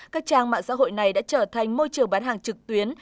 các trang mạng xã hội này đã trở thành môi trường bán hàng trực tuyến